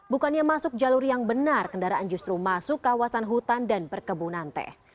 bukannya masuk jalur yang benar kendaraan justru masuk kawasan hutan dan perkebunan teh